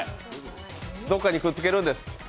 どこかにくっつけるんです。